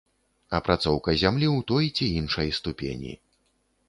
Апрацоўка зямлі ў той ці іншай ступені.